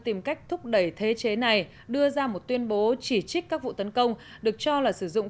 tìm cách thúc đẩy thế chế này đưa ra một tuyên bố chỉ trích các vụ tấn công được cho là sử dụng